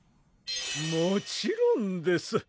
もちろんです！